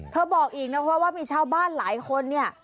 บอกอีกนะคะว่ามีชาวบ้านหลายคนเนี่ย